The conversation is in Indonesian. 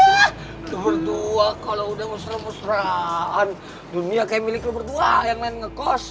kedua kalau udah muslim muslim an dunia kayak milik lu berdua yang